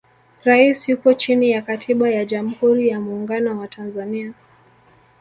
rais yupo chini ya katiba ya jamhuri ya muungano wa tanzania